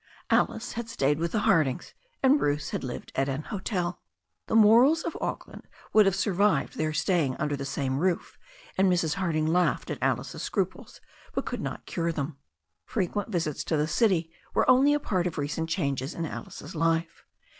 Alice had stayed with the Hardings, and Bruce had lived at an hotel. The morals of Auckland would have survived their staying under the same roof, and Mrs. Hard ing laughed at Alice's scruples, but could not cure them. Frequent visits to the city were only a part of recent changes in Alice's life.